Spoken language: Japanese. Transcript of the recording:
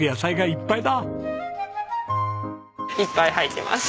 いっぱい入ってます。